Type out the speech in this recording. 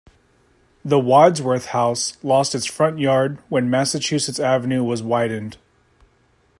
The Wadsworth House lost its front yard when Massachusetts Avenue was widened.